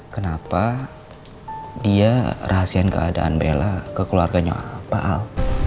kenapa dia rahasian keadaan bella ke keluarganya pak al